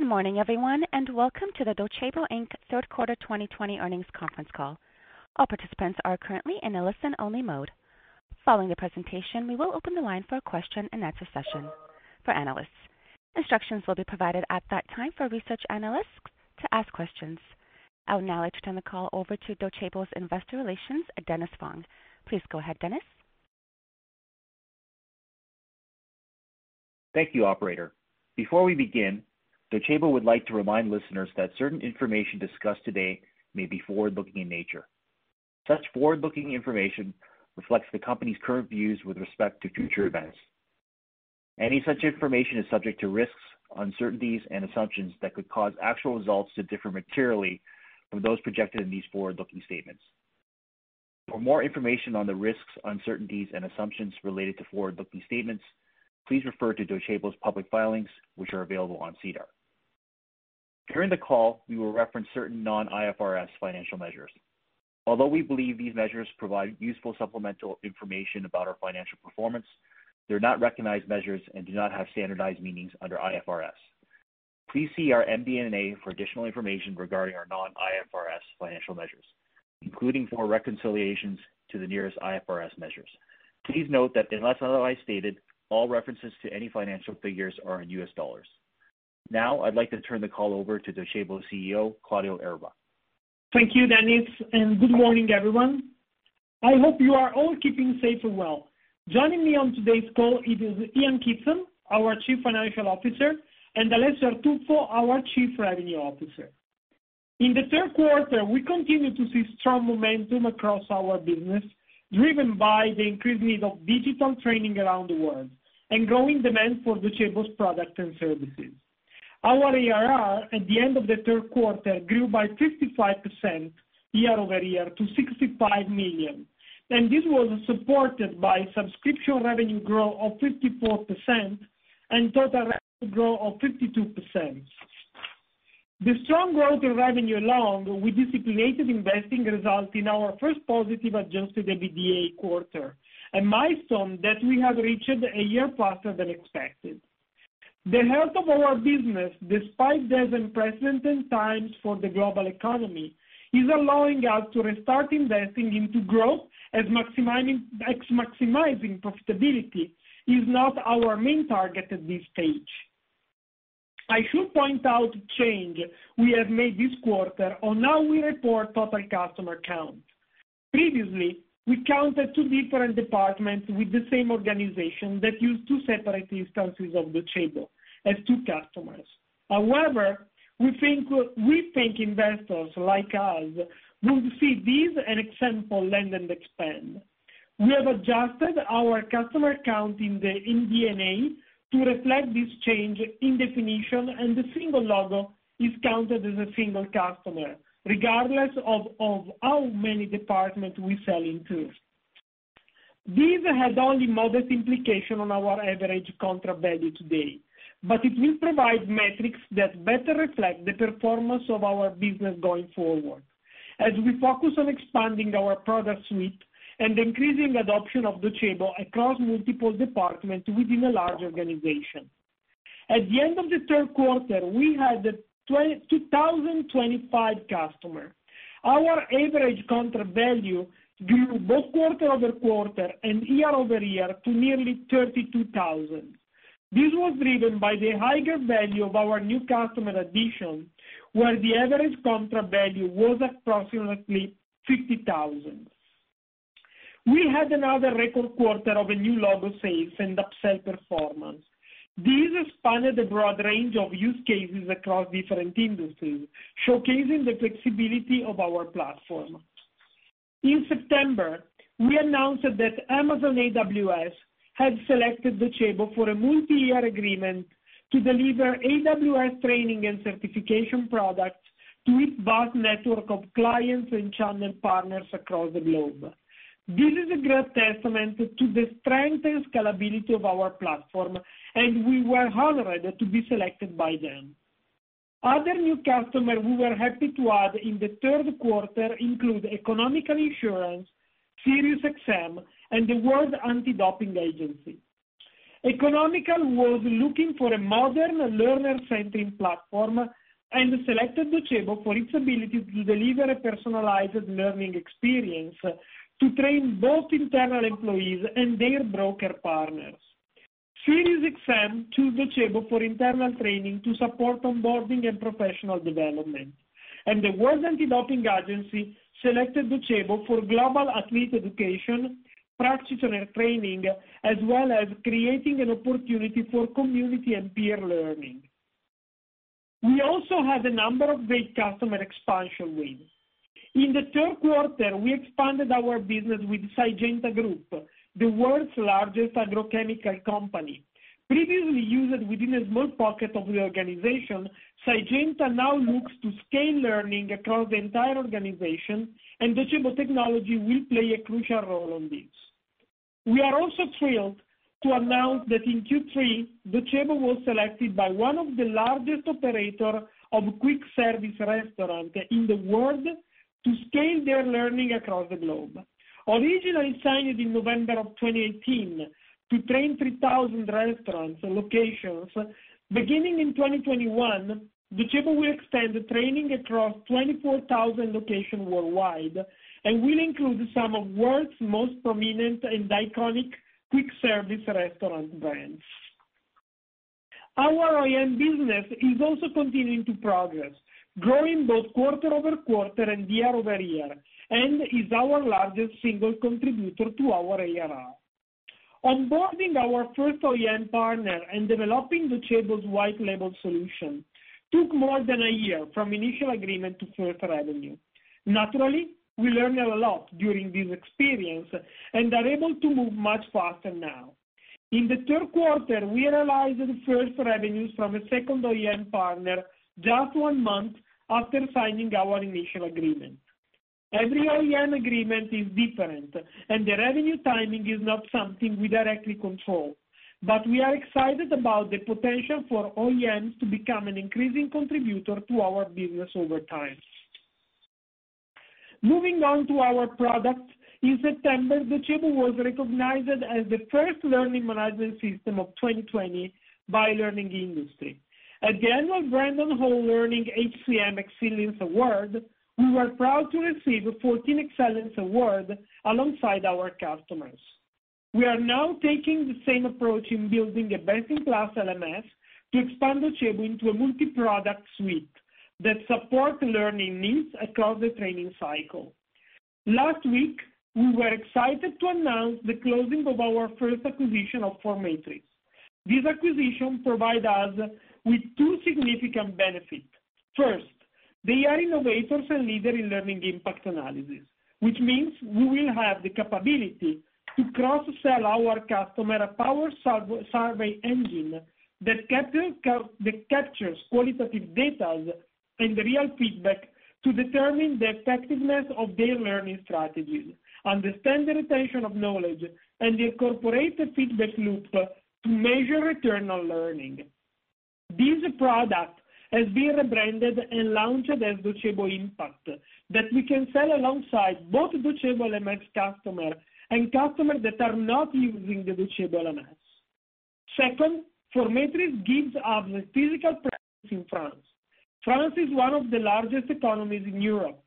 Good morning, everyone, and welcome to the Docebo Inc. Q3 2020 earnings conference call. All participants are currently in a listen-only mode. Following the presentation, we will open the line for a question-and-answer session for analysts. Instructions will be provided at that time for research analysts to ask questions. I will now turn the call over to Docebo's Investor Relations, Dennis Fong. Please go ahead, Dennis. Thank you, Operator. Before we begin, Docebo would like to remind listeners that certain information discussed today may be forward-looking in nature. Such forward-looking information reflects the company's current views with respect to future events. Any such information is subject to risks, uncertainties, and assumptions that could cause actual results to differ materially from those projected in these forward-looking statements. For more information on the risks, uncertainties, and assumptions related to forward-looking statements, please refer to Docebo's public filings, which are available on SEDAR. During the call, we will reference certain non-IFRS financial measures. Although we believe these measures provide useful supplemental information about our financial performance, they are not recognized measures and do not have standardized meanings under IFRS. Please see our MD&A for additional information regarding our non-IFRS financial measures, including for reconciliations to the nearest IFRS measures. Please note that, unless otherwise stated, all references to any financial figures are in U.S. dollars. Now, I'd like to turn the call over to Docebo's CEO, Claudio Erba. Thank you, Dennis, and good morning, everyone. I hope you are all keeping safe and well. Joining me on today's call, it is Ian Kidson, our Chief Financial Officer, and Alessio Artuffo, our Chief Revenue Officer. In the Q3, we continue to see strong momentum across our business, driven by the increased need of digital training around the world and growing demand for Docebo's products and services. Our ARR, at the end of the Q3, grew by 55% year-over-year to $65 million, and this was supported by subscription revenue growth of 54% and total revenue growth of 52%. The strong growth in revenue along with disciplined investing resulted in our first positive Adjusted EBITDA in Q3, a milestone that we have reached a year faster than expected. The health of our business, despite those unprecedented times for the global economy, is allowing us to restart investing into growth as maximizing profitability is not our main target at this stage. I should point out a change we have made this quarter on how we report total customer count. Previously, we counted two different departments with the same organization that used two separate instances of Docebo as two customers. However, we think investors like us will see this as an example land and expand. We have adjusted our customer count in the MD&A to reflect this change in definition, and the single logo is counted as a single customer, regardless of how many departments we sell into. This has only modest implications on our average contract value today, but it will provide metrics that better reflect the performance of our business going forward, as we focus on expanding our product suite and increasing adoption of Docebo across multiple departments within a larger organization. At the end of the Q3, we had 2,025 customers. Our average contract value grew both quarter-over-quarter and year-over-year to nearly 32,000. This was driven by the higher value of our new customer addition, where the average contract value was approximately 50,000. We had another record quarter of a new logo sales and upsell performance. This expanded the broad range of use cases across different industries, showcasing the flexibility of our platform. In September, we announced that Amazon AWS had selected Docebo for a multi-year agreement to deliver AWS training and certification products to its vast network of clients and channel partners across the globe. This is a great testament to the strength and scalability of our platform, and we were honored to be selected by them. Other new customers we were happy to add in the Q3 include Economical Insurance, SiriusXM, and the World Anti-Doping Agency. Economical was looking for a modern learner-centered platform and selected Docebo for its ability to deliver a personalized learning experience to train both internal employees and their broker partners. SiriusXM chose Docebo for internal training to support onboarding and professional development, and the World Anti-Doping Agency selected Docebo for global athlete education, practitioner training, as well as creating an opportunity for community and peer learning. We also had a number of great customer expansion wins. In the Q3, we expanded our business with Syngenta Group, the World's Largest Agrochemical company. Previously used within a small pocket of the organization, Syngenta now looks to scale learning across the entire organization, and Docebo technology will play a crucial role in this. We are also thrilled to announce that in Q3, Docebo was selected by one of the largest operators of quick-service restaurants in the world to scale their learning across the globe. Originally signed in November of 2018 to train 3,000 restaurant locations, beginning in 2021, Docebo will extend training across 24,000 locations worldwide and will include some of the world's most prominent and iconic quick-service restaurant brands. Our OEM business is also continuing to progress, growing both quarter-over-quarter and year-over-year, and is our largest single contributor to our ARR. Onboarding our first OEM partner and developing Docebo's white-label solution took more than a year from initial agreement to first revenue. Naturally, we learned a lot during this experience and are able to move much faster now. In the Q3, we realized the first revenues from a second OEM partner just one month after signing our initial agreement. Every OEM agreement is different, and the revenue timing is not something we directly control, but we are excited about the potential for OEMs to become an increasing contributor to our business over time. Moving on to our product, in September, Docebo was recognized as the first learning management system of 2020 by the learning industry. At the annual Brandon Hall Group HCM Excellence Awards, we were proud to receive 14 Excellence Awards alongside our customers. We are now taking the same approach in building a best-in-class LMS to expand Docebo into a multi-product suite that supports learning needs across the training cycle. Last week, we were excited to announce the closing of our first acquisition of forMetris. This acquisition provides us with two significant benefits. First, they are innovators and leaders in Learning Impact analysis, which means we will have the capability to cross-sell our customers a power survey engine that captures qualitative data and real feedback to determine the effectiveness of their learning strategies, understand the retention of knowledge, and incorporate the feedback loop to measure return on learning. This product has been rebranded and launched as Docebo Impact, that we can sell alongside both Docebo LMS customers and customers that are not using the Docebo LMS. Second, forMetris gives us a physical presence in France. France is one of the largest economies in Europe.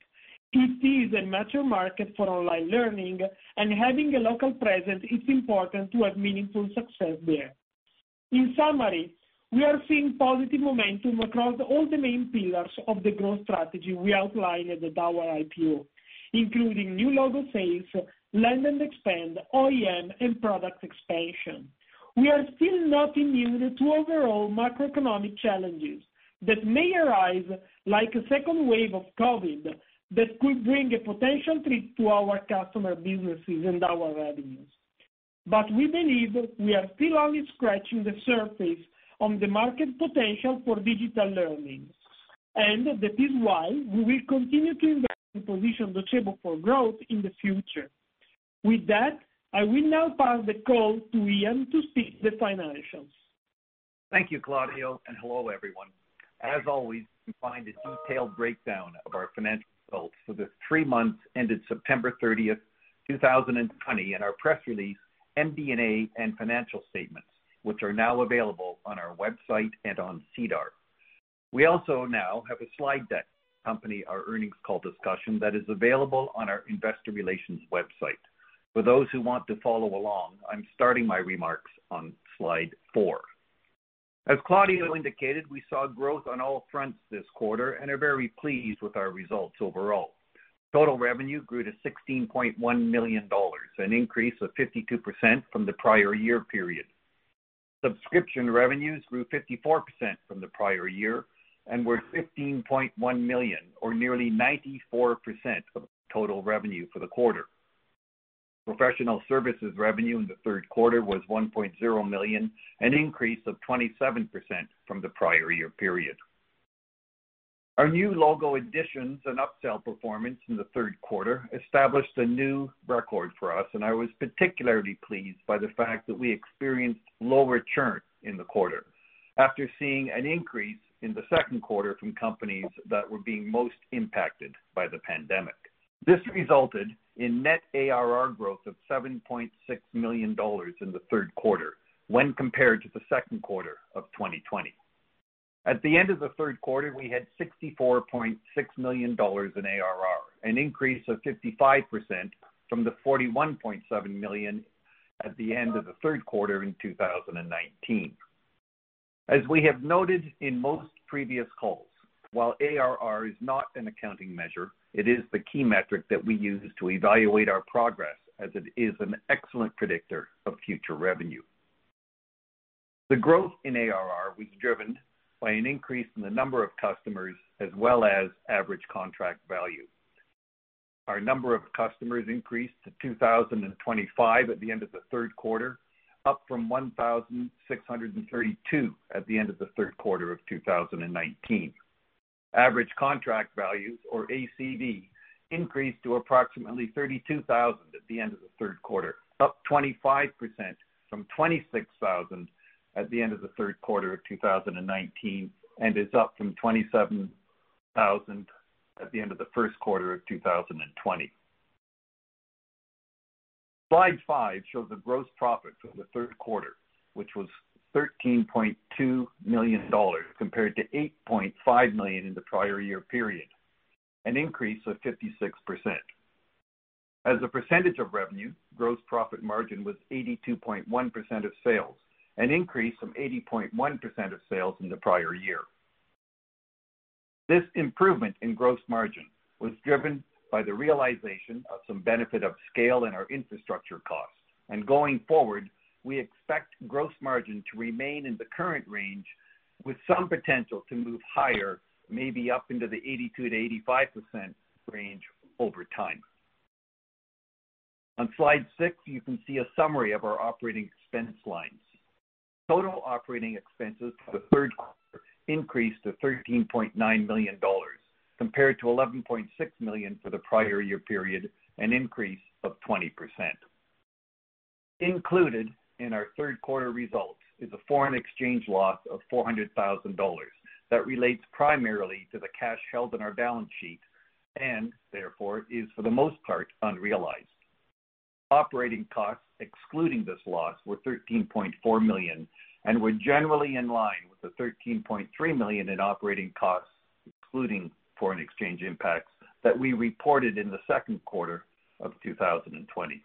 It is a major market for online learning, and having a local presence is important to have meaningful success there. In summary, we are seeing positive momentum across all the main pillars of the growth strategy we outlined at our IPO, the new logo sales, land and expand, OEM, and product expansion. We are still not immune to overall macroeconomic challenges that may arise, like a second wave of COVID-19, that could bring a potential threat to our customer businesses and our revenues. But we believe we are still only scratching the surface on the market potential for digital learning, and that is why we will continue to invest to position Docebo for growth in the future. With that, I will now pass the call to Ian to speak to the financials. Thank you, Claudio, and hello, everyone. As always, you can find a detailed breakdown of our financial results for the three months ended September 30, 2020, in our press release, MD&A and financial statements, which are now available on our website and on SEDAR. We also now have a slide deck accompanying our earnings call discussion that is available on our Investor Relations website. For those who want to follow along, I'm starting my remarks on slide four. As Claudio indicated, we saw growth on all fronts this quarter and are very pleased with our results overall. Total revenue grew to $16.1 million, an increase of 52% from the prior year period. Subscription revenues grew 54% from the prior year and were $15.1 million, or nearly 94% of total revenue for the Q4. Professional services revenue in the Q3 was $1.0 million, an increase of 27% from the prior year period. Our new logo additions and upsell performance in the Q3 established a new record for us, and I was particularly pleased by the fact that we experienced lower churn in the Q4 after seeing an increase in the Q2 from companies that were being most impacted by the pandemic. This resulted in net ARR growth of $7.6 million in the Q3 when compared to the Q2 of 2020. At the end of the Q4, we had $64.6 million in ARR, an increase of 55% from the $41.7 million at the end of the Q4 in 2019. As we have noted in most previous calls, while ARR is not an accounting measure, it is the key metric that we use to evaluate our progress, as it is an excellent predictor of future revenue. The growth in ARR was driven by an increase in the number of customers as well as average contract value. Our number of customers increased to 2,025 at the end of the Q3, up from 1,632 at the end of the Q3 of 2019. Average contract values, or ACV, increased to approximately 32,000 at the end of the Q3, up 25% from 26,000 at the end of the Q3 of 2019, and is up from 27,000 at the end of the Q1 of 2020. Slide five shows the gross profit for the Q3, which was $13.2 million compared to $8.5 million in the prior year period, an increase of 56%. As a percentage of revenue, gross profit margin was 82.1% of sales, an increase from 80.1% of sales in the prior year. This improvement in gross margin was driven by the realization of some benefit of scale in our infrastructure costs, and going forward, we expect gross margin to remain in the current range, with some potential to move higher, maybe up into the 82%-85% range over time. On slide six, you can see a summary of our operating expense lines. Total operating expenses for the Q3 increased to $13.9 million compared to $11.6 million for the prior year period, an increase of 20%. Included in our Q3 results is a foreign exchange loss of $400,000 that relates primarily to the cash held in our balance sheet and, therefore, is for the most part unrealized. Operating costs excluding this loss were $13.4 million and were generally in line with the $13.3 million in operating costs excluding foreign exchange impacts that we reported in the Q2 of 2020.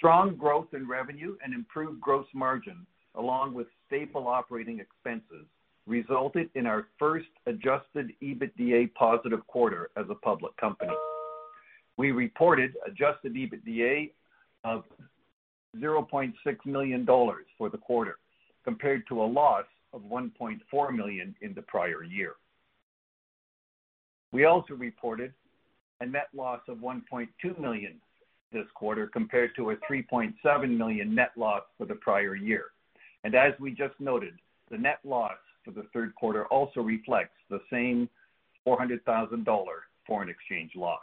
Strong growth in revenue and improved gross margin, along with stable operating expenses, resulted in our first Adjusted EBITDA positive quarter as a public company. We reported Adjusted EBITDA of $0.6 million for the Q4 compared to a loss of $1.4 million in the prior year. We also reported a net loss of $1.2 million this Q4 compared to a $3.7 million net loss for the prior year, and as we just noted, the net loss for the Q3 also reflects the same $400,000 foreign exchange loss.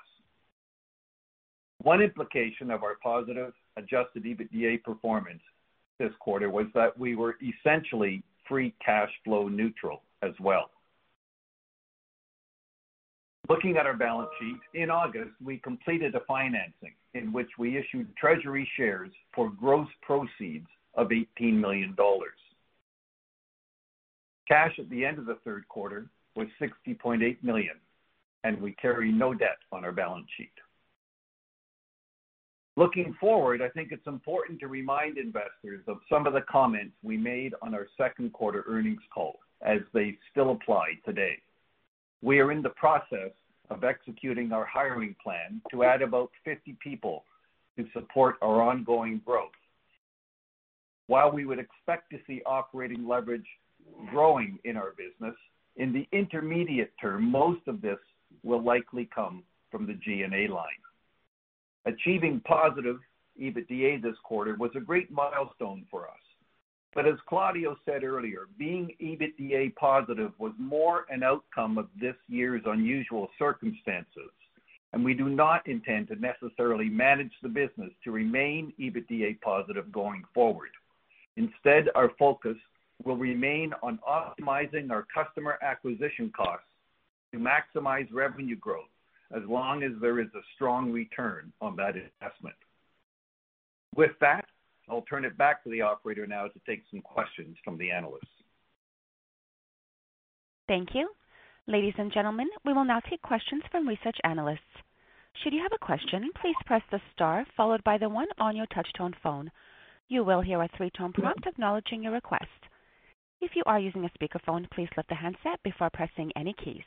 One implication of our positive Adjusted EBITDA performance this Q4 was that we were essentially free cash flow neutral as well. Looking at our balance sheet, in August, we completed a financing in which we issued treasury shares for gross proceeds of $18 million. Cash at the end of the Q4 was $60.8 million, and we carry no debt on our balance sheet. Looking forward, I think it's important to remind investors of some of the comments we made on our Q2 earnings call as they still apply today. We are in the process of executing our hiring plan to add about 50 people to support our ongoing growth. While we would expect to see operating leverage growing in our business, in the intermediate term, most of this will likely come from the G&A line. Achieving positive EBITDA this Q4 was a great milestone for us, but as Claudio said earlier, being EBITDA positive was more an outcome of this year's unusual circumstances, and we do not intend to necessarily manage the business to remain EBITDA positive going forward. Instead, our focus will remain on optimizing our customer acquisition costs to maximize revenue growth as long as there is a strong return on that investment. With that, I'll turn it back to the operator now to take some questions from the analysts. Thank you. Ladies and gentlemen, we will now take questions from research analysts. Should you have a question, please press the star followed by the one on your touch-tone phone. You will hear a three-tone prompt acknowledging your request. If you are using a speakerphone, please lift the handset before pressing any keys.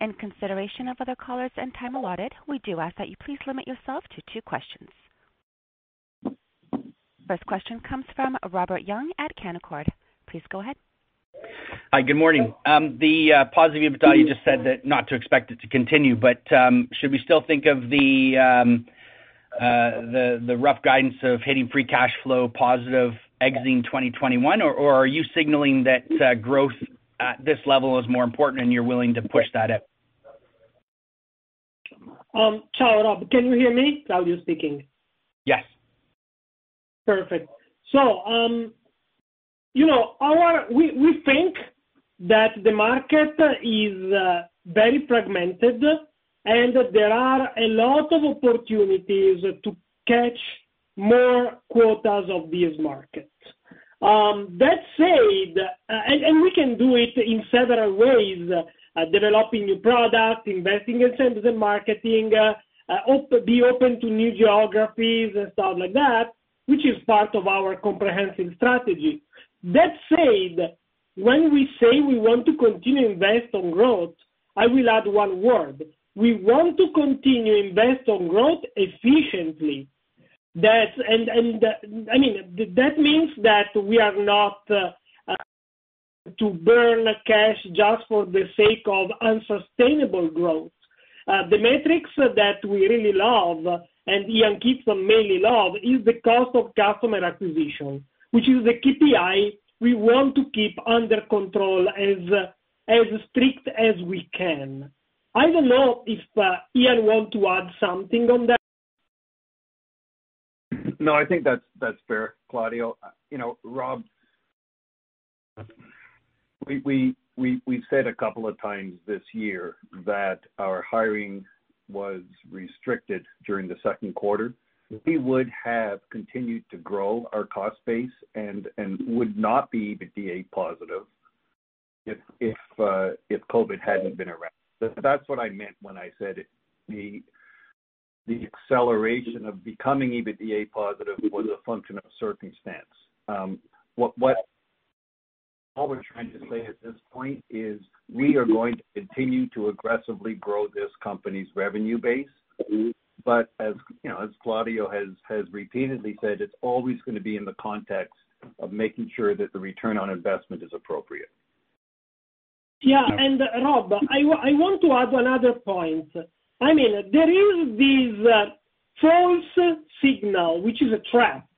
In consideration of other callers and time allotted, we do ask that you please limit yourself to two questions. First question comes from Robert Young at Canaccord. Please go ahead. Hi, good morning. The positive EBITDA, you just said that not to expect it to continue, but should we still think of the rough guidance of hitting free cash flow positive exiting 2021, or are you signaling that growth at this level is more important and you're willing to push that up? Robert, can you hear me? Claudio speaking. Yes. Perfect. So we think that the market is very fragmented, and there are a lot of opportunities to catch more quotas of this market. That said, and we can do it in several ways: developing new products, investing in sales and marketing, being open to new geographies and stuff like that, which is part of our comprehensive strategy. That said, when we say we want to continue to invest on growth, I will add one word: we want to continue to invest on growth efficiently. And I mean, that means that we are not to burn cash just for the sake of unsustainable growth. The metrics that we really love and Ian Kidson mainly loves is the cost of customer acquisition, which is the KPI we want to keep under control as strict as we can. I don't know if Ian wants to add something on that. No, I think that's fair, Claudio. Rob, we said a couple of times this year that our hiring was restricted during the Q2. We would have continued to grow our cost base and would not be EBITDA positive if COVID hadn't been around. That's what I meant when I said the acceleration of becoming EBITDA positive was a function of circumstance. What we're trying to say at this point is we are going to continue to aggressively grow this company's revenue base, but as Claudio has repeatedly said, it's always going to be in the context of making sure that the return on investment is appropriate. Yeah, and Rob, I want to add another point. I mean, there is this false signal, which is a trap,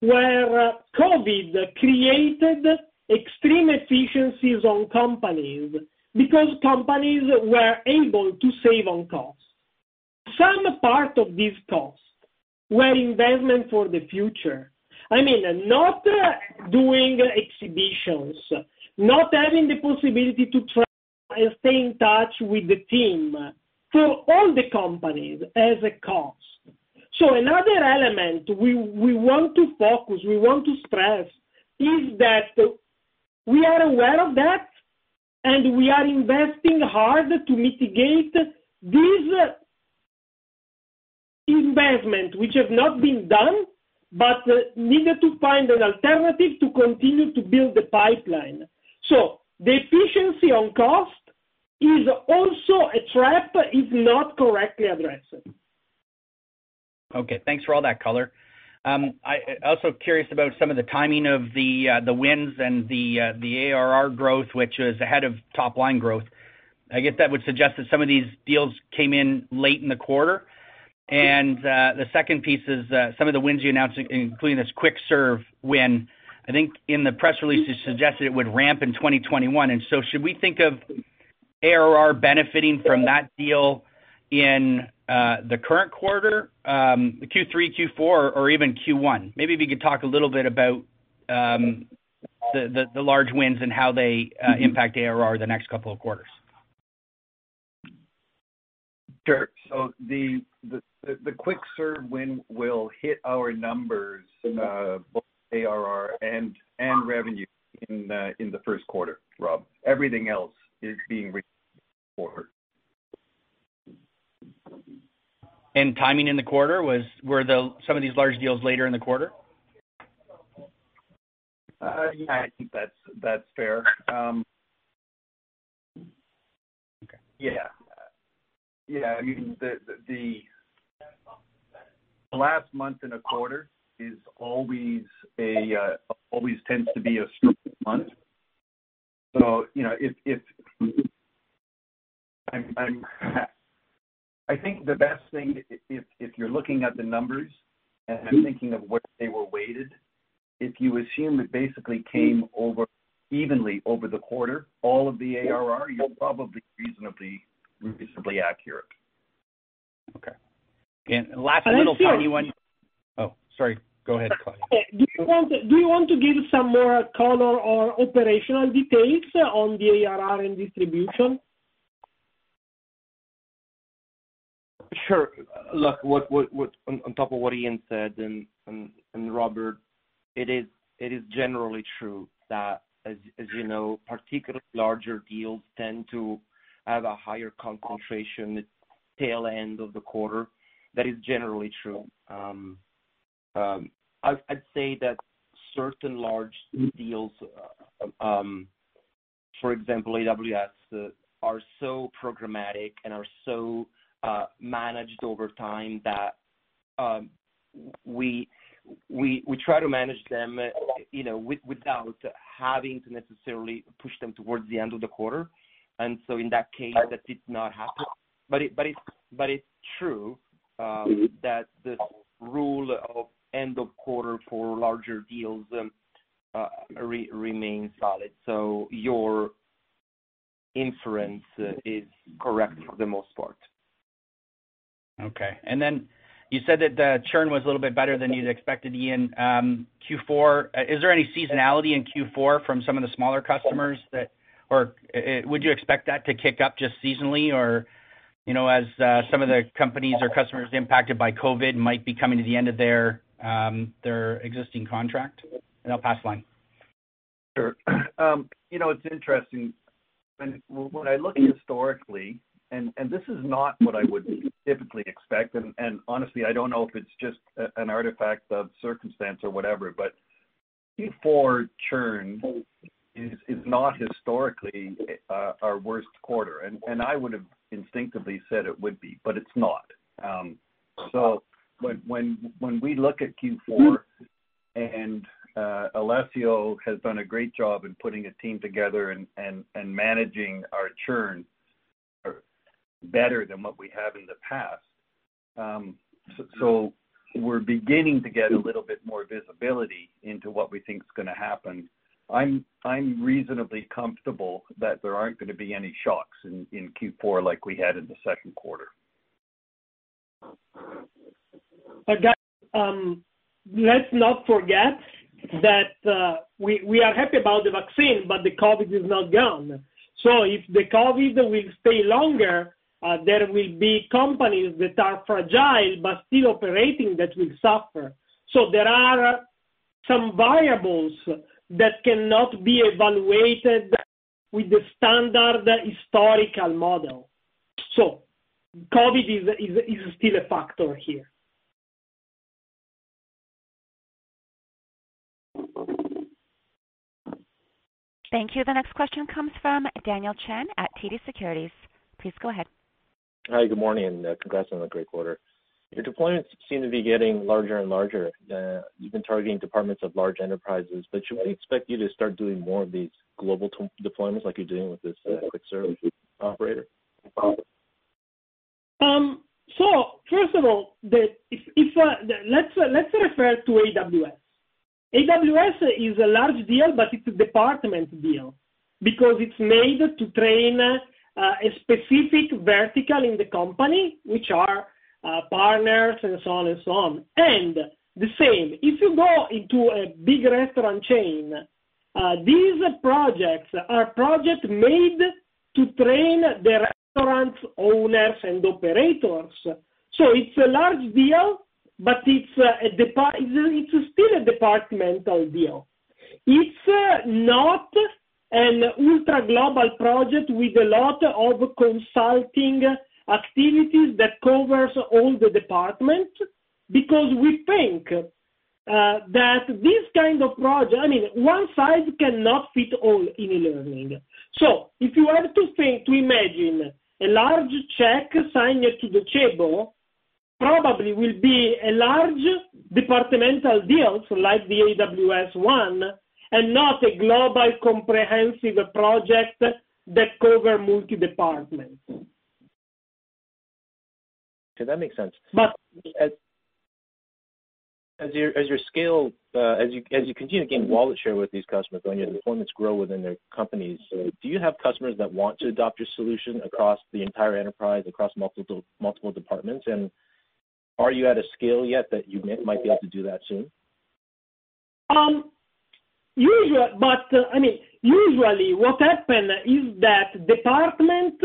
where COVID created extreme efficiencies on companies because companies were able to save on cost. Some part of this cost was investment for the future. I mean, not doing exhibitions, not having the possibility to stay in touch with the team for all the companies as a cost. So another element we want to focus, we want to stress, is that we are aware of that, and we are investing hard to mitigate this investment, which has not been done, but needed to find an alternative to continue to build the pipeline. So the efficiency on cost is also a trap if not correctly addressed. Okay, thanks for all that, Claudio. I'm also curious about some of the timing of the wins and the ARR growth, which is ahead of top-line growth. I guess that would suggest that some of these deals came in late in the Q4. And the second piece is some of the wins you announced, including this quick-serve win. I think in the press release, you suggested it would ramp in 2021. And so should we think of ARR benefiting from that deal in the current quarter, Q3, Q4, or even Q1? Maybe if you could talk a little bit about the large wins and how they impact ARR the next couple of Q4s? Sure. So the quick-serve win will hit our numbers, both ARR and revenue, in the Q1, Rob. Everything else is being reached in the Q4. Timing in the Q4? Were some of these large deals later in the Q4? Yeah, I think that's fair. Yeah. Yeah, I mean, the last month in a Q4 always tends to be a strong month. So I think the best thing, if you're looking at the numbers and thinking of where they were weighted, if you assume it basically came evenly over the Q4, all of the ARR, you're probably reasonably accurate. Okay, and last little tiny one. I think. Oh, sorry. Go ahead, Claudio. Do you want to give some more color or operational details on the ARR and distribution? Sure. Look, on top of what Claudio said and Robert, it is generally true that, as you know, particularly larger deals tend to have a higher concentration tail-end of the Q4. That is generally true. I'd say that certain large deals, for example, AWS, are so programmatic and are so managed over time that we try to manage them without having to necessarily push them towards the end of the Q4. And so in that case, that did not happen. But it's true that the rule of end of Q4 for larger deals remains valid. So your inference is correct for the most part. Okay. And then you said that the churn was a little bit better than you'd expected, Ian. Q4, is there any seasonality in Q4 from some of the smaller customers? Or would you expect that to kick up just seasonally or as some of the companies or customers impacted by COVID-19 might be coming to the end of their existing contract? And I'll pass the line. Sure. It's interesting. When I look historically, and this is not what I would typically expect, and honestly, I don't know if it's just an artifact of circumstance or whatever, but Q4 churn is not historically our worst Q4, and I would have instinctively said it would be, but it's not, so when we look at Q4, and Alessio has done a great job in putting a team together and managing our churn better than what we have in the past, so we're beginning to get a little bit more visibility into what we think is going to happen. I'm reasonably comfortable that there aren't going to be any shocks in Q4 like we had in the Q2. Let's not forget that we are happy about the vaccine, but the COVID is not gone. So if the COVID will stay longer, there will be companies that are fragile but still operating that will suffer. So there are some variables that cannot be evaluated with the standard historical model. So COVID is still a factor here. Thank you. The next question comes from Daniel Chan at TD Securities. Please go ahead. Hi, good morning. Congrats on the great Q4. Your deployments seem to be getting larger and larger. You've been targeting departments of large enterprises, but should we expect you to start doing more of these global deployments like you're doing with this quick-serve operator? So first of all, let's refer to AWS. AWS is a large deal, but it's a department deal because it's made to train a specific vertical in the company, which are partners and so on and so on. And the same, if you go into a big restaurant chain, these projects are projects made to train the restaurant owners and operators. So it's a large deal, but it's still a departmental deal. It's not an ultra-global project with a lot of consulting activities that covers all the departments because we think that this kind of project, I mean, one size cannot fit all in e-learning. So if you have to think to imagine a large check signed to the table, probably will be a large departmental deal like the AWS one and not a global comprehensive project that covers multi-departments. Okay, that makes sense. As you continue to gain wallet share with these customers, when your deployments grow within their companies, do you have customers that want to adopt your solution across the entire enterprise, across multiple departments, and are you at a scale yet that you might be able to do that soon? I mean, usually, what happens is that departments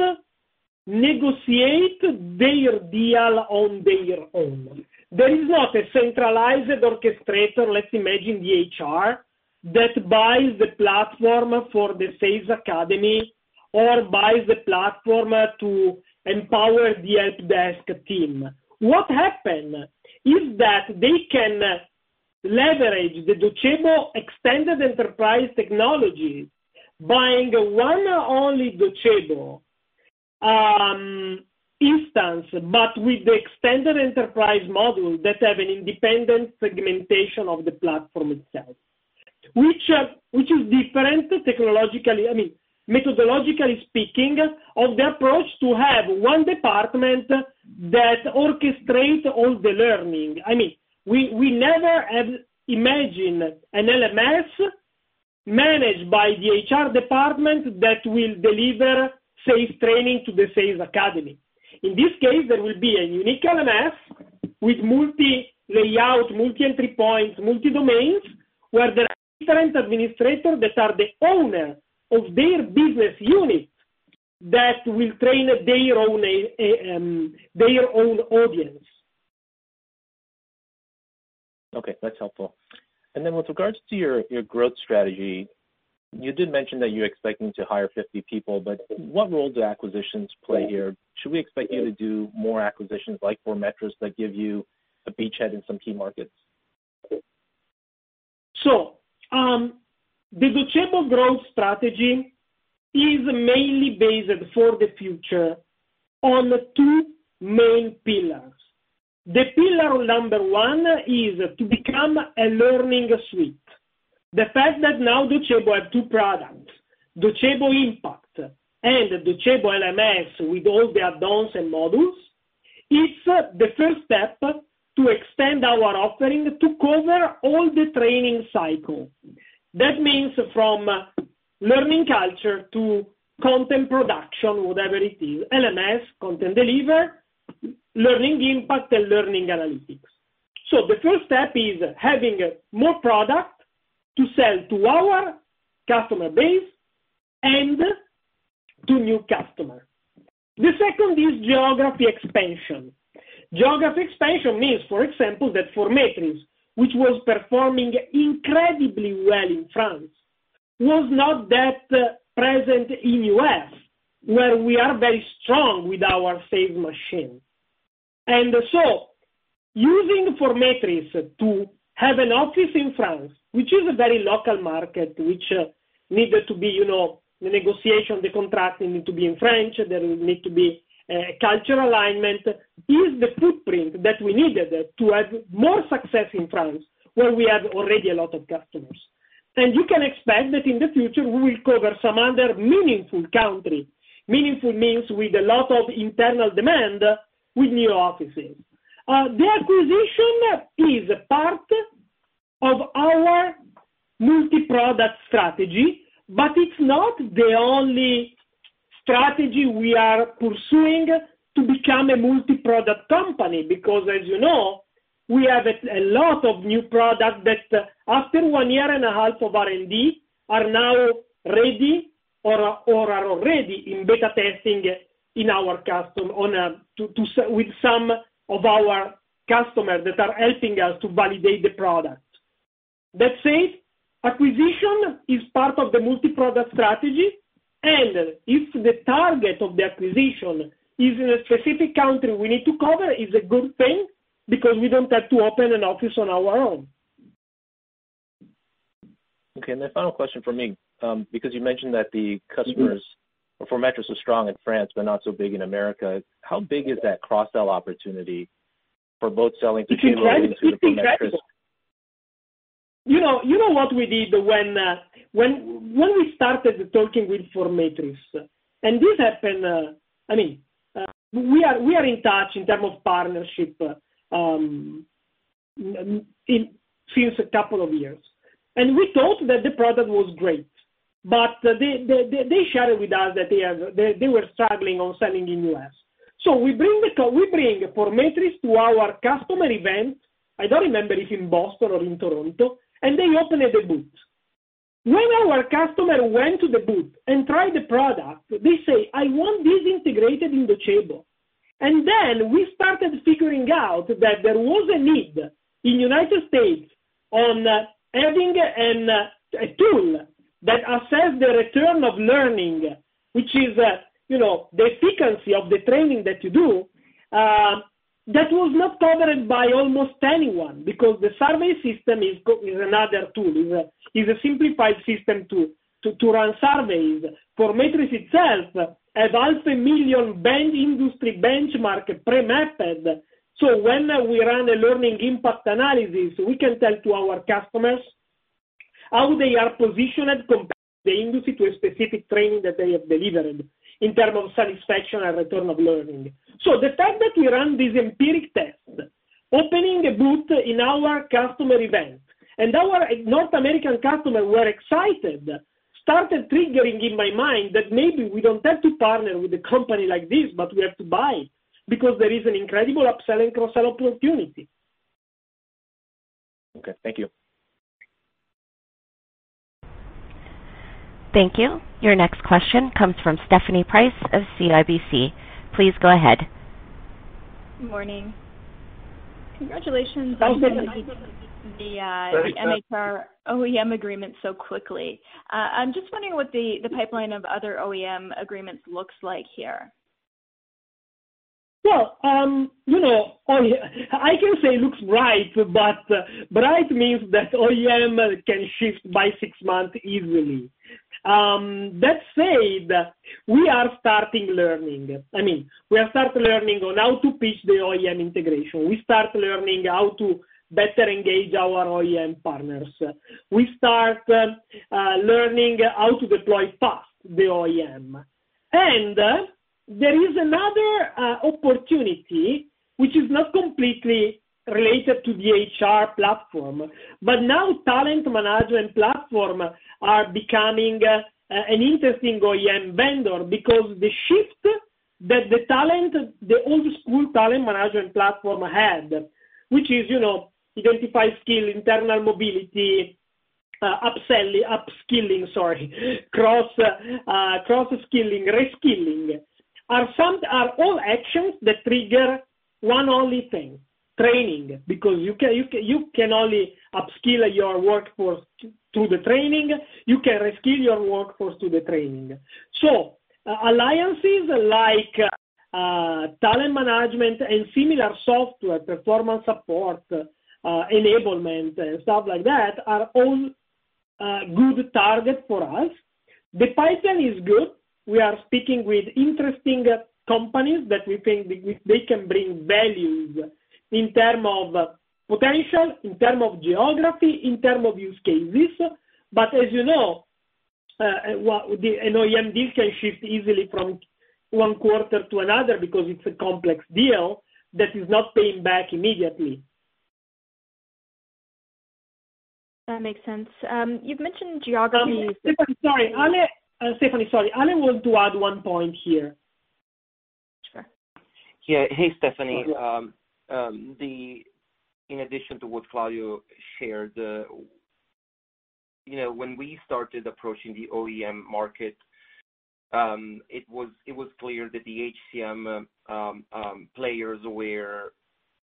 negotiate their deal on their own. There is not a centralized orchestrator, let's imagine the HR, that buys the platform for the sales academy or buys the platform to empower the help desk team. What happens is that they can leverage the Docebo Extended Enterprise technology, buying one only Docebo instance, but with the Extended Enterprise module that has an independent segmentation of the platform itself, which is different methodologically speaking of the approach to have one department that orchestrates all the learning. I mean, we never have imagined an LMS managed by the HR department that will deliver safe training to the sales academy. In this case, there will be a unique LMS with multi-layout, multi-entry points, multi-domains, where there are different administrators that are the owners of their business unit that will train their own audience. Okay, that's helpful. And then with regards to your growth strategy, you did mention that you're expecting to hire 50 people, but what role do acquisitions play here? Should we expect you to do more acquisitions like forMetris that give you a beachhead in some key markets? So the Docebo growth strategy is mainly based for the future on two main pillars. The pillar number one is to become a learning suite. The fact that now Docebo has two products, Docebo Impact and Docebo LMS with all the add-ons and models, it's the first step to extend our offering to cover all the training cycle. That means from learning culture to content production, whatever it is, LMS, content delivery, learning impact, and learning analytics. So the first step is having more product to sell to our customer base and to new customers. The second is geography expansion. Geography expansion means, for example, that forMetris, which was performing incredibly well in France, was not that present in the U.S., where we are very strong with our sales machine. And so using forMetris to have an office in France, which is a very local market, which needed to be the negotiation, the contracting need to be in French, there need to be a culture alignment, is the footprint that we needed to have more success in France, where we have already a lot of customers. And you can expect that in the future, we will cover some other meaningful country, meaningful means with a lot of internal demand with new offices. The acquisition is part of our multi-product strategy, but it's not the only strategy we are pursuing to become a multi-product company because, as you know, we have a lot of new products that after one year and a half of R&D are now ready or are already in beta testing in our customers with some of our customers that are helping us to validate the product. That said, acquisition is part of the multi-product strategy, and if the target of the acquisition is in a specific country we need to cover, it's a good thing because we don't have to open an office on our own. Okay. And then final question for me, because you mentioned that the customers for forMetris are strong in France but not so big in America. How big is that cross-sell opportunity for both selling to the base and to forMetris? You know what we did when we started talking with forMetris? And this happened, I mean, we are in touch in terms of partnership since a couple of years. And we thought that the product was great, but they shared with us that they were struggling on selling in the U.S. So we bring forMetris to our customer event, I don't remember if in Boston or in Toronto, and they opened the booth. When our customer went to the booth and tried the product, they said, "I want this integrated in Docebo." And then we started figuring out that there was a need in the United States on adding a tool that assessed the return of learning, which is the efficacy of the training that you do, that was not covered by almost anyone because the survey system is another tool. It's a simplified system to run surveys. forMetris itself, it has a million industry benchmark pre-mapped. So when we run a learning impact analysis, we can tell to our customers how they are positioned compared to the industry to a specific training that they have delivered in terms of satisfaction and return of learning. So the fact that we run these empirical tests, opening a booth in our customer event, and our North American customers were excited, started triggering in my mind that maybe we don't have to partner with a company like this, but we have to buy because there is an incredible upsell and cross-sell opportunity. Okay. Thank you. Thank you. Your next question comes from Stephanie Price of CIBC. Please go ahead. Good morning. Congratulations on getting the MHR OEM agreement so quickly. I'm just wondering what the pipeline of other OEM agreements looks like here. I can say it looks bright, but bright means that OEM can shift by six months easily. That said, we are starting learning. I mean, we have started learning on how to pitch the OEM integration. We start learning how to better engage our OEM partners. We start learning how to deploy fast the OEM. And there is another opportunity, which is not completely related to the HR platform, but now talent management platforms are becoming an interesting OEM vendor because the shift that the old-school talent management platform had, which is identify skill, internal mobility, upskilling, sorry, cross-skilling, reskilling, are all actions that trigger one only thing: training. Because you can only upskill your workforce through the training. You can reskill your workforce through the training. So alliances like talent management and similar software performance support enablement and stuff like that are all good targets for us. The pipeline is good. We are speaking with interesting companies that we think they can bring value in terms of potential, in terms of geography, in terms of use cases. But as you know, an OEM deal can shift easily from one quarter to another because it's a complex deal that is not paying back immediately. That makes sense. You've mentioned geography. Stephanie, sorry. Stephanie, sorry. Ale want to add one point here. Sure. Yeah. Hey, Stephanie. In addition to what Claudio shared, when we started approaching the OEM market, it was clear that the HCM players were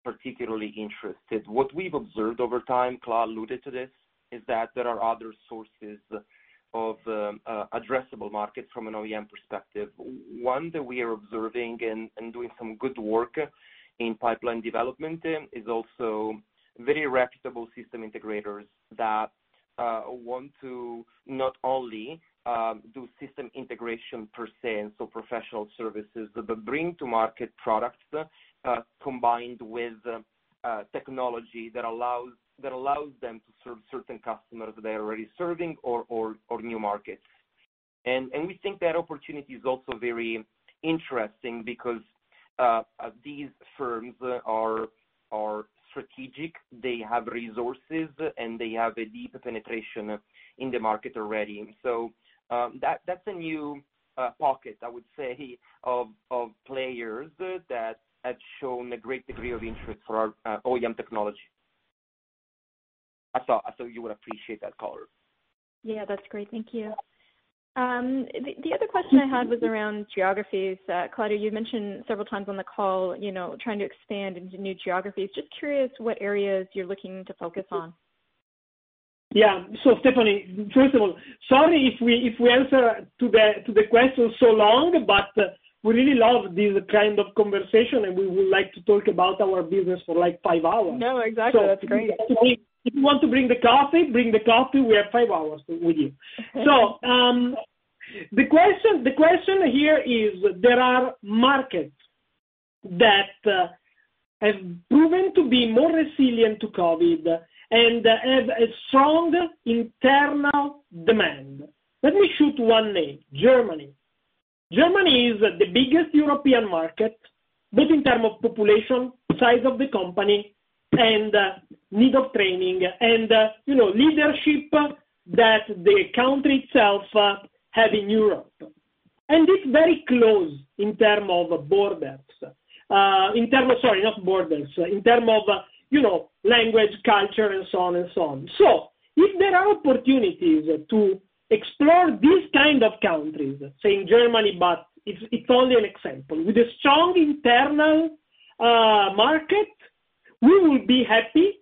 particularly interested. What we've observed over time, Cla alluded to this, is that there are other sources of addressable markets from an OEM perspective. One that we are observing and doing some good work in pipeline development is also very reputable system integrators that want to not only do system integration per se and so professional services, but bring to market products combined with technology that allows them to serve certain customers they're already serving or new markets, and we think that opportunity is also very interesting because these firms are strategic. They have resources, and they have a deep penetration in the market already. So that's a new pocket, I would say, of players that have shown a great degree of interest for our OEM technology. I thought you would appreciate that. Yeah, that's great. Thank you. The other question I had was around geographies. Claudio, you mentioned several times on the call trying to expand into new geographies. Just curious what areas you're looking to focus on. Yeah, so Stephanie, first of all, sorry if we answered the question so long, but we really love this kind of conversation, and we would like to talk about our business for like five hours. No, exactly. That's great. If you want to bring the coffee, bring the coffee. We have five hours with you. The question here is there are markets that have proven to be more resilient to COVID and have a strong internal demand. Let me shoot one name: Germany. Germany is the biggest European market, both in terms of population, size of the economy, and need of training, and leadership that the country itself has in Europe. It is very close in terms of borders. Sorry, not borders. In terms of language, culture, and so on and so on. If there are opportunities to explore these kinds of countries, saying Germany, but it is only an example, with a strong internal market, we will be happy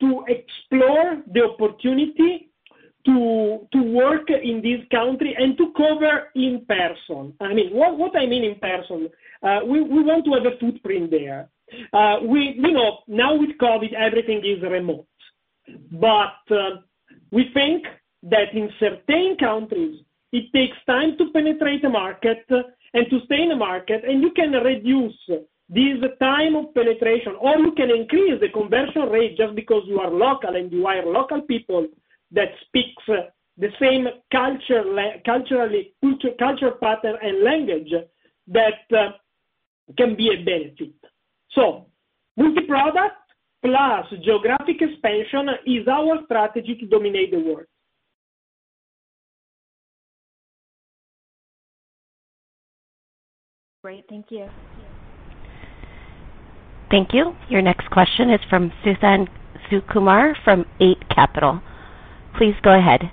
to explore the opportunity to work in these countries and to cover in person. I mean, what I mean in person, we want to have a footprint there. Now with COVID, everything is remote, but we think that in certain countries, it takes time to penetrate the market and to stay in the market, and you can reduce this time of penetration, or you can increase the conversion rate just because you are local and you hire local people that speak the same cultural pattern and language that can be a benefit. So multi-product plus geographic expansion is our strategy to dominate the world. Great. Thank you. Thank you. Your next question is from Suthan Sukumar from Eight Capital. Please go ahead.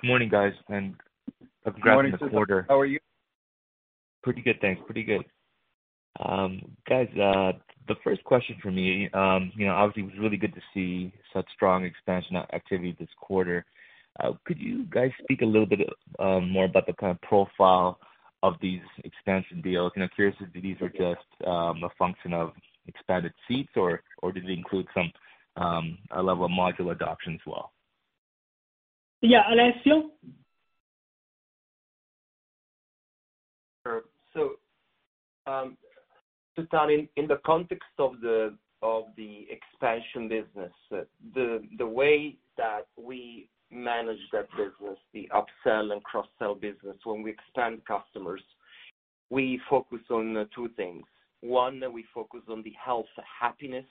Good morning, guys, and congratulations this quarter. Good morning. How are you? Pretty good, thanks. Pretty good. Guys, the first question for me, obviously, it was really good to see such strong expansion activity this quarter. Could you guys speak a little bit more about the kind of profile of these expansion deals? Curious if these are just a function of expanded seats, or did they include some level of modular adoption as well? Yeah. Alessio? Sure. In the context of the expansion business, the way that we manage that business, the upsell and cross-sell business, when we expand customers, we focus on two things. One, we focus on the health, happiness,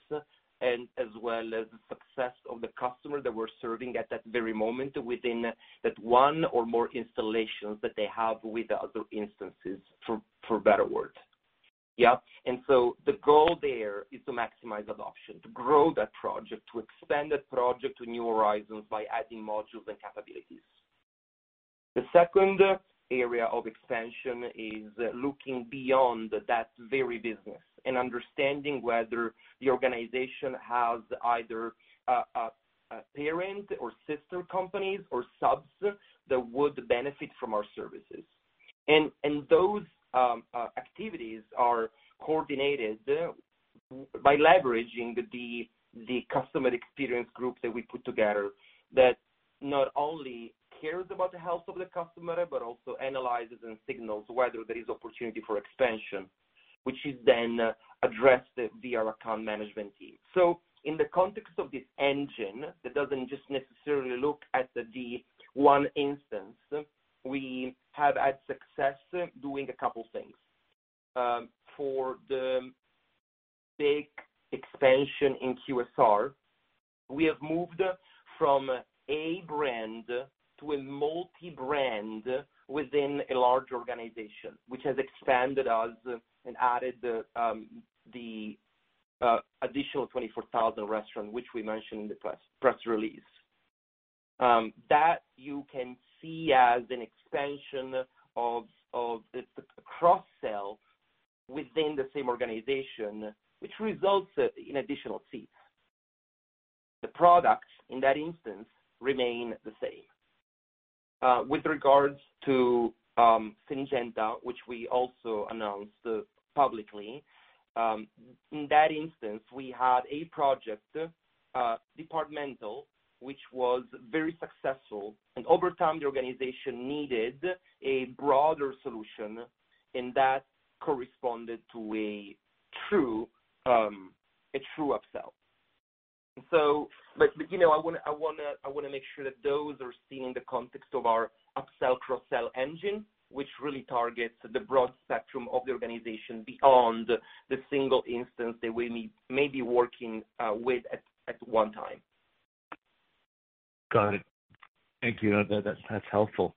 and as well as the success of the customer that we're serving at that very moment within that one or more installations that they have with other instances, for better word. Yeah? And so the goal there is to maximize adoption, to grow that project, to expand that project to new horizons by adding modules and capabilities. The second area of expansion is looking beyond that very business and understanding whether the organization has either parent or sister companies or subs that would benefit from our services. And those activities are coordinated by leveraging the customer experience group that we put together that not only cares about the health of the customer but also analyzes and signals whether there is opportunity for expansion, which is then addressed via our account management team. So in the context of this engine that doesn't just necessarily look at the one instance, we have had success doing a couple of things. For the big expansion in QSR, we have moved from a brand to a multi-brand within a large organization, which has expanded us and added the additional 24,000 restaurants, which we mentioned in the press release. That you can see as an expansion of the cross-sell within the same organization, which results in additional seats. The products in that instance remain the same. With regards to Syngenta, which we also announced publicly, in that instance, we had a project departmental which was very successful, and over time, the organization needed a broader solution, and that corresponded to a true upsell. But I want to make sure that those are seen in the context of our upsell cross-sell engine, which really targets the broad spectrum of the organization beyond the single instance that we may be working with at one time. Got it. Thank you. That's helpful.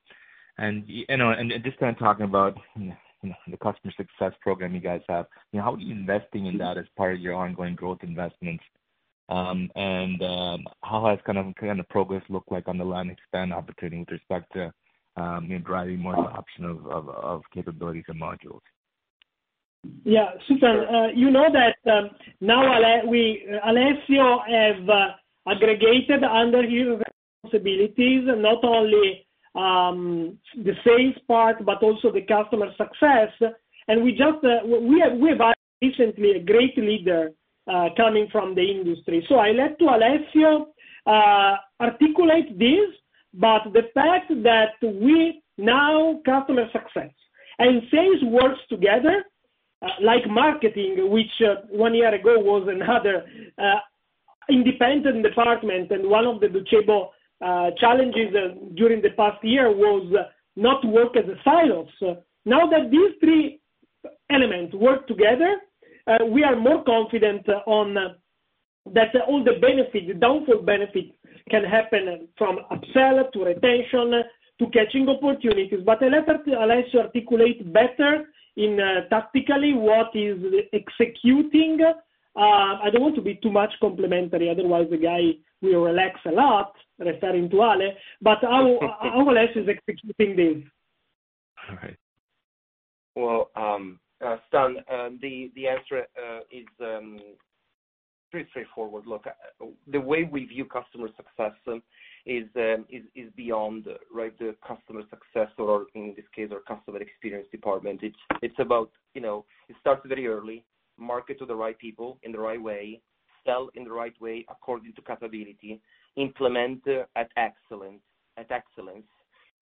And just kind of talking about the customer success program you guys have, how are you investing in that as part of your ongoing growth investments? And how has kind of the progress looked like on the land and expand opportunity with respect to driving more adoption of capabilities and modules? Yeah. Suthan, you know that now Alessio has aggregated under his responsibilities not only the sales part but also the customer success. And we have recently a great leader coming from the industry. So I let Alessio articulate this, but the fact that we now customer success and sales works together like marketing, which one year ago was another independent department, and one of the major challenges during the past year was not to work in silos. Now that these three elements work together, we are more confident that all the downstream benefits can happen from upsell to retention to catching opportunities. But I let Alessio articulate better tactically what is executing. I don't want to be too complimentary. Otherwise, the guy will relax a lot referring to Ale. But how Alessio is executing this. All right. Well, Suthan, the answer is pretty straightforward. Look, the way we view customer success is beyond the customer success, or in this case, our customer experience department. It's about it starts very early, market to the right people in the right way, sell in the right way according to capability, implement at excellence,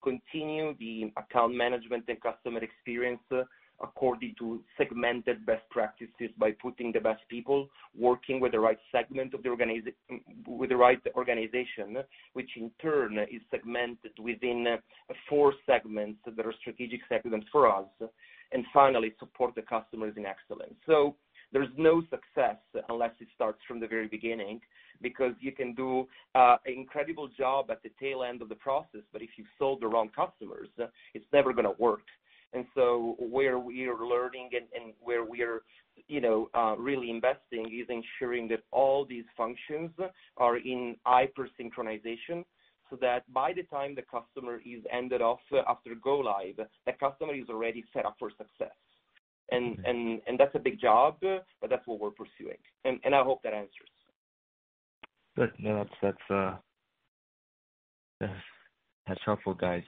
continue the account management and customer experience according to segmented best practices by putting the best people, working with the right segment of the organization, which in turn is segmented within four segments that are strategic segments for us, and finally, support the customers in excellence. So there's no success unless it starts from the very beginning because you can do an incredible job at the tail end of the process, but if you sold the wrong customers, it's never going to work. And so where we are learning and where we are really investing is ensuring that all these functions are in hyper-synchronization so that by the time the customer is handed off after go-live, the customer is already set up for success. And that's a big job, but that's what we're pursuing. And I hope that answers. Good. No, that's helpful, guys.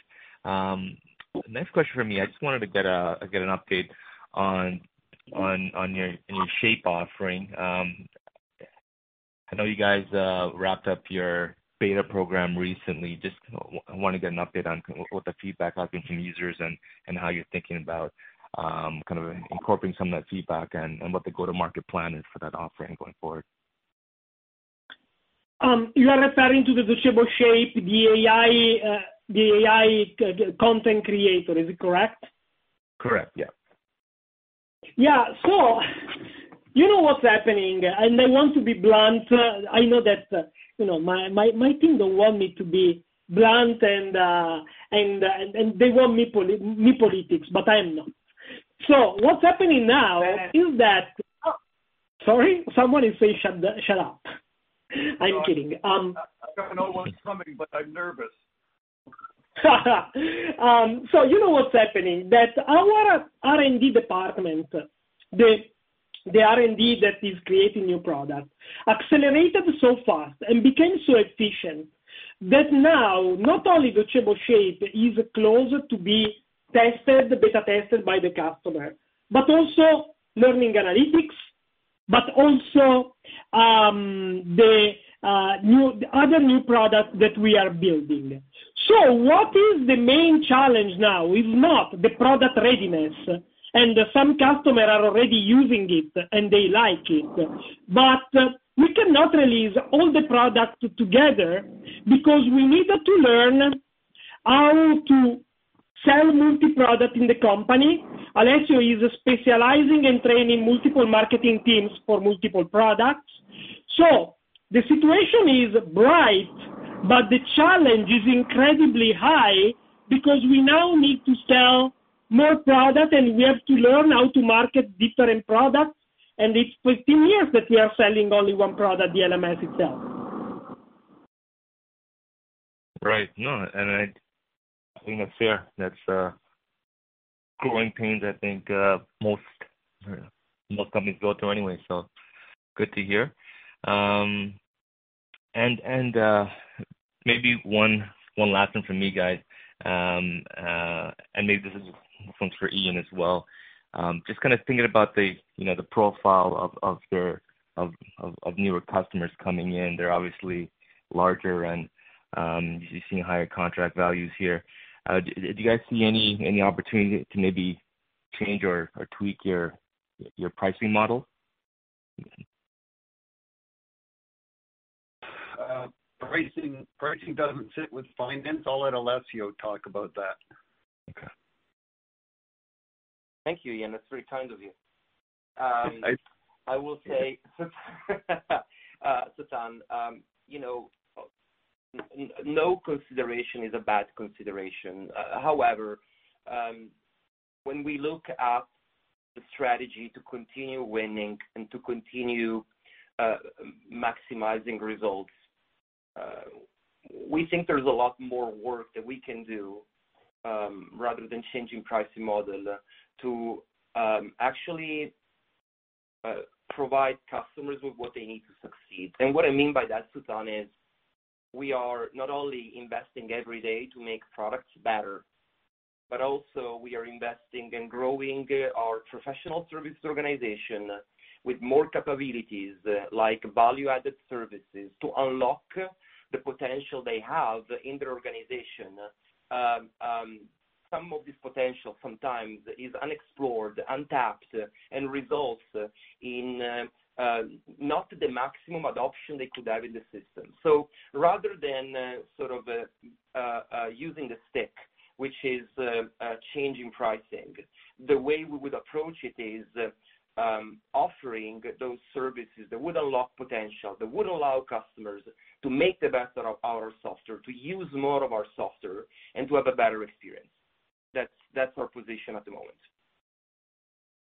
Next question for me, I just wanted to get an update on your shape offering. I know you guys wrapped up your beta program recently. Just wanted to get an update on what the feedback has been from users and how you're thinking about kind of incorporating some of that feedback and what the go-to-market plan is for that offering going forward. You are referring to the Docebo Shape, the AI content creator. Is it correct? Correct. Yeah. Yeah. So you know what's happening, and I want to be blunt. I know that my team don't want me to be blunt, and they want me politics, but I am not. So what's happening now is that, sorry, someone is saying, "Shut up." I'm kidding. I don't know what's coming, but I'm nervous. So you know what's happening? That our R&D department, the R&D that is creating new product, accelerated so fast and became so efficient that now not only Docebo Shape is close to be tested, beta tested by the customer, but also learning analytics, but also the other new products that we are building. So what is the main challenge now is not the product readiness, and some customers are already using it, and they like it, but we cannot release all the products together because we need to learn how to sell multi-product in the company. Alessio is specializing in training multiple marketing teams for multiple products. So the situation is bright, but the challenge is incredibly high because we now need to sell more product, and we have to learn how to market different products. And it's 15 years that we are selling only one product, the LMS itself. Right. No, and I think that's fair. That's growing pains, I think, most companies go through anyway, so good to hear. And maybe one last thing for me, guys, and maybe this is just for Ian as well. Just kind of thinking about the profile of newer customers coming in, they're obviously larger, and you're seeing higher contract values here. Do you guys see any opportunity to maybe change or tweak your pricing model? Pricing doesn't sit with finance. I'll let Alessio talk about that. Okay. Thank you, Ian. That's very kind of you. Thanks. I will say, Suthan, no consideration is a bad consideration. However, when we look at the strategy to continue winning and to continue maximizing results, we think there's a lot more work that we can do rather than changing pricing model to actually provide customers with what they need to succeed, and what I mean by that, Suthan, is we are not only investing every day to make products better, but also we are investing and growing our professional service organization with more capabilities like value-added services to unlock the potential they have in their organization. Some of this potential sometimes is unexplored, untapped, and results in not the maximum adoption they could have in the system. Rather than sort of using the stick, which is changing pricing, the way we would approach it is offering those services that would unlock potential, that would allow customers to make the best out of our software, to use more of our software, and to have a better experience. That's our position at the moment.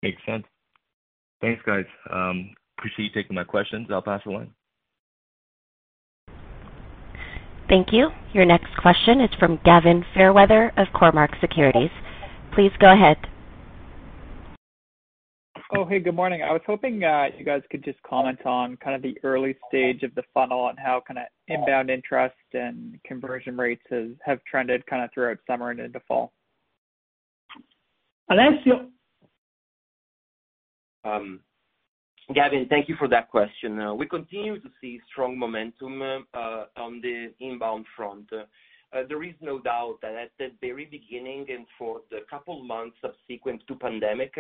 Makes sense. Thanks, guys. Appreciate you taking my questions. I'll pass it along. Thank you. Your next question is from Gavin Fairweather of Cormark Securities. Please go ahead. Oh, hey, good morning. I was hoping you guys could just comment on kind of the early stage of the funnel and how kind of inbound interest and conversion rates have trended kind of throughout summer and into fall. Alessio. Gavin, thank you for that question. We continue to see strong momentum on the inbound front. There is no doubt that at the very beginning and for the couple of months subsequent to the pandemic,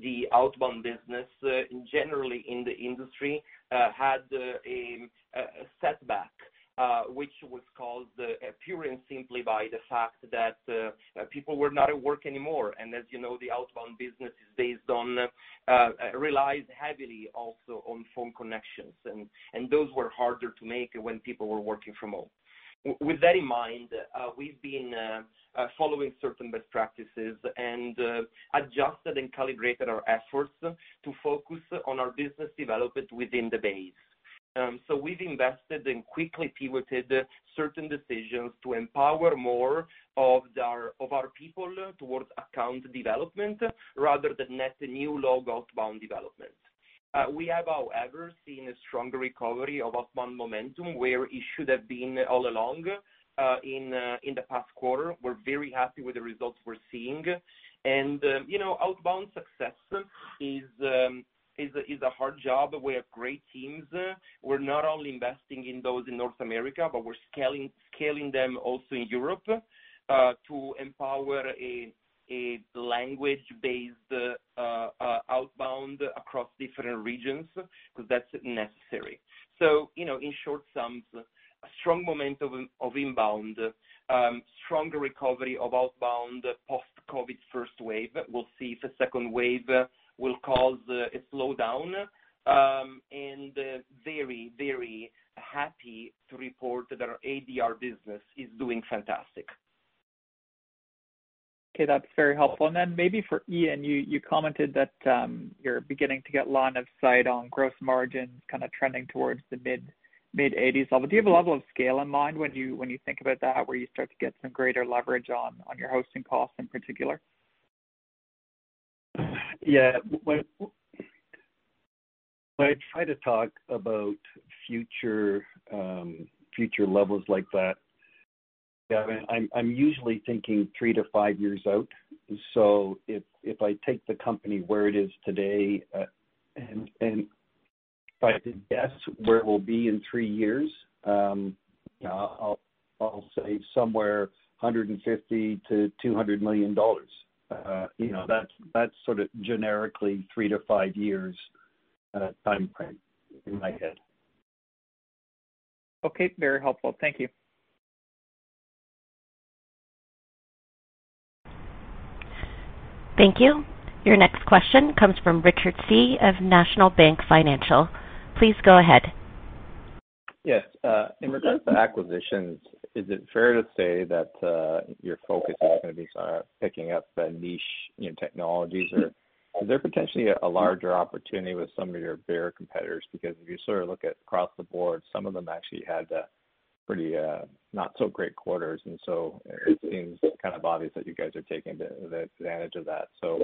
the outbound business generally in the industry had a setback, which was caused purely and simply by the fact that people were not at work anymore, and as you know, the outbound business is based on, relies heavily also on phone connections, and those were harder to make when people were working from home. With that in mind, we've been following certain best practices and adjusted and calibrated our efforts to focus on our business development within the base, so we've invested and quickly pivoted certain decisions to empower more of our people towards account development rather than net new logo outbound development. We have, however, seen a strong recovery of outbound momentum where it should have been all along in the past quarter. We're very happy with the results we're seeing. And outbound success is a hard job. We have great teams. We're not only investing in those in North America, but we're scaling them also in Europe to empower a language-based outbound across different regions because that's necessary. So in short sums, a strong moment of inbound, strong recovery of outbound post-COVID first wave. We'll see if the second wave will cause a slowdown. And very, very happy to report that our ADR business is doing fantastic. Okay. That's very helpful. And then maybe for Ian, you commented that you're beginning to get line of sight on gross margins kind of trending towards the mid-80s%. Do you have a level of scale in mind when you think about that, where you start to get some greater leverage on your hosting costs in particular? Yeah. When I try to talk about future levels like that, I'm usually thinking three to five years out. So if I take the company where it is today and if I had to guess where we'll be in three years, I'll say somewhere $150-$200 million. That's sort of generically three to five years timeframe in my head. Okay. Very helpful. Thank you. Thank you. Your next question comes from Richard Tse of National Bank Financial. Please go ahead. Yes. In regards to acquisitions, is it fair to say that your focus is going to be picking up niche technologies? Or is there potentially a larger opportunity with some of your bigger competitors? Because if you sort of look at across the board, some of them actually had pretty not-so-great quarters. And so it seems kind of obvious that you guys are taking advantage of that. So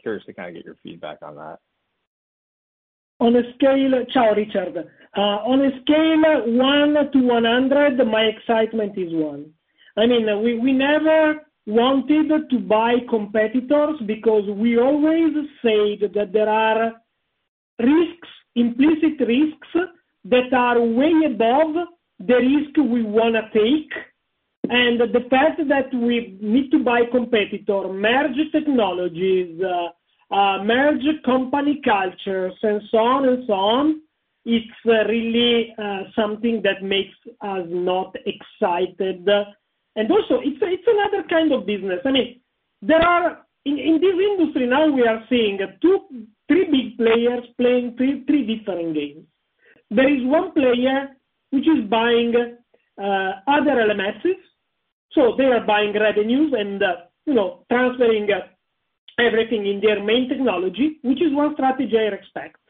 curious to kind of get your feedback on that. On a scale of one to 100, my excitement is one. I mean, we never wanted to buy competitors because we always say that there are implicit risks that are way above the risk we want to take. And the fact that we need to buy competitor, merge technologies, merge company cultures, and so on and so on, it's really something that makes us not excited. And also, it's another kind of business. I mean, in this industry now, we are seeing three big players playing three different games. There is one player which is buying other LMSs. So they are buying revenues and transferring everything in their main technology, which is one strategy I respect,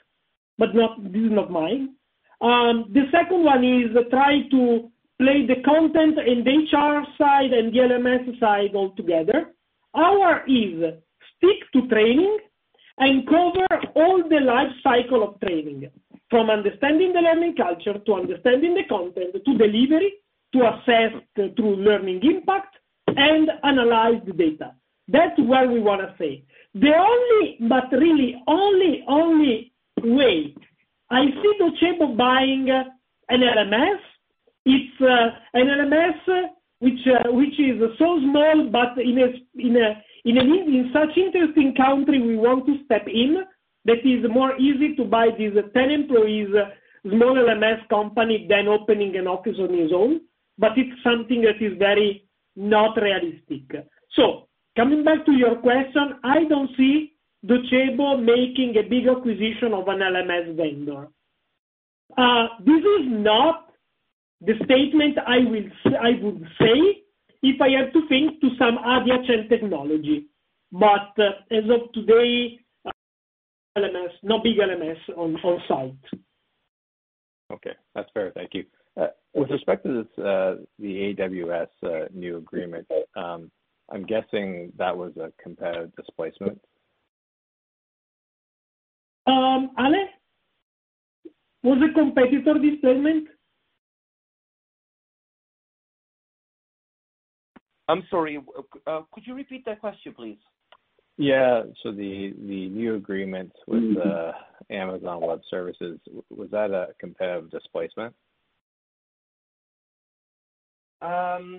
but this is not mine. The second one is trying to play the content and HR side and the LMS side all together. Ours is to stick to training and cover all the life cycle of training, from understanding the learning culture to understanding the content to delivery to assess through learning impact and analyze the data. That's what we want to say. The only way I see the way of buying an LMS, it's an LMS which is so small, but in such an interesting country, we want to step in that it is more easy to buy these 10 employees, small LMS company than opening an office on his own. But it's something that is very not realistic. So coming back to your question, I don't see the way of making a big acquisition of an LMS vendor. This is not the statement I would say if I had to think to some adjacent technology. But as of today, LMS, no big LMS in sight. Okay. That's fair. Thank you. With respect to the AWS new agreement, I'm guessing that was a competitive displacement. Alessio? Was it competitor displacement? I'm sorry. Could you repeat that question, please? Yeah. So the new agreement with Amazon Web Services, was that a competitive displacement? So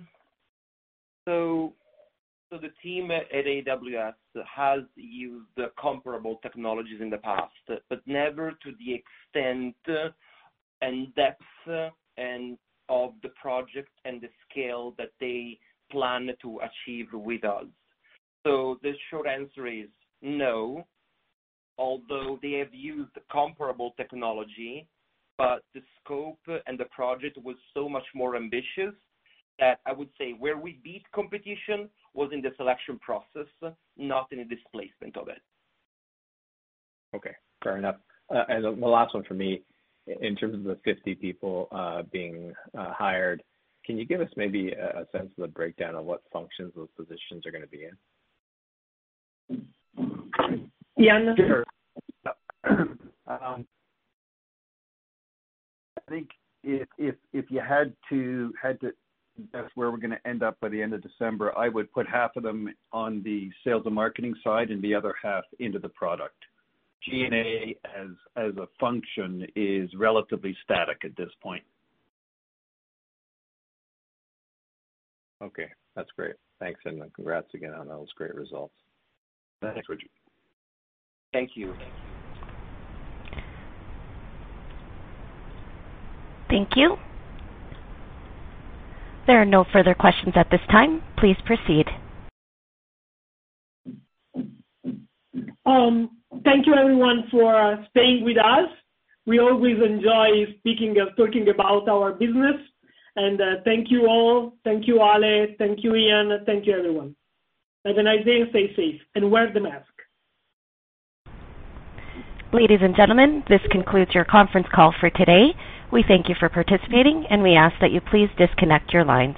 the team at AWS has used comparable technologies in the past, but never to the extent and depth of the project and the scale that they plan to achieve with us. So the short answer is no, although they have used comparable technology, but the scope and the project was so much more ambitious that I would say where we beat competition was in the selection process, not in the displacement of it. Okay. Fair enough. And the last one for me, in terms of the 50 people being hired, can you give us maybe a sense of the breakdown of what functions those positions are going to be in? Ian. Sure. I think if you had to guess where we're going to end up by the end of December, I would put half of them on the sales and marketing side and the other half into the product. G&A as a function is relatively static at this point. Okay. That's great. Thanks, Ian. And congrats again on those great results. Thanks, Richard. Thank you. Thank you. There are no further questions at this time. Please proceed. Thank you, everyone, for staying with us. We always enjoy speaking and talking about our business. And thank you all. Thank you, Ale. Thank you, Ian. Thank you, everyone. Have a nice day and stay safe. And wear the mask. Ladies and gentlemen, this concludes your conference call for today. We thank you for participating, and we ask that you please disconnect your lines.